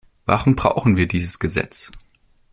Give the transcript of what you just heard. Warum brauchen wir dieses Gesetz?